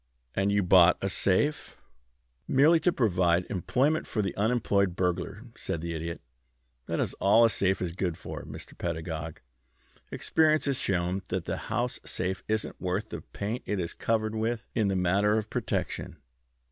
"And you bought a safe " "Merely to provide employment for the unemployed burglar," said the Idiot. "That is all a safe is good for, Mr. Pedagog. Experience has shown that the house safe isn't worth the paint it is covered with in the matter of protection.